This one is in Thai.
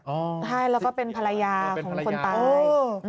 ใช่แล้วก็เป็นภรรยาของคนตาย